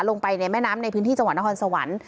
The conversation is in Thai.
ลงไปในแม่น้ำในพื้นที่จังหวัดนครสวรรค์